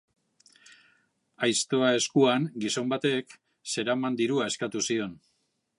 Aizto eskuan, gizon batek zeraman dirua eskatu zion.